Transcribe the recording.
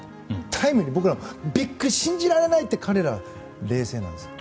タイムにびっくり、信じられないってでも、彼は冷静なんです。